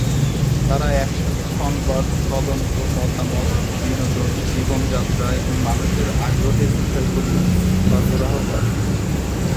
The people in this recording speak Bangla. তারা একসাথে সংবাদ, তদন্ত, মতামত, বিনোদন, জীবনযাত্রা এবং মানুষের আগ্রহের বিষয়গুলি সরবরাহ করে।